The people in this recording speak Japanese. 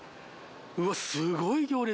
うわっ、すごい行列。